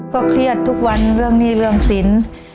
เครียดทุกวันเรื่องหนี้เรื่องสิน